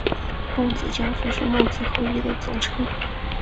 孟子家族是孟子后裔的总称。